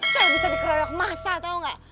saya bisa dikeroyok massa tau gak